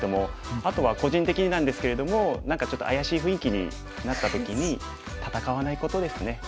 あとは個人的になんですけれども何かちょっと怪しい雰囲気になった時に戦わないことですね。